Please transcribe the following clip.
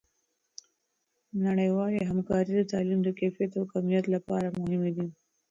نړیوالې همکارۍ د تعلیم د کیفیت او کمیت لپاره مهمې دي.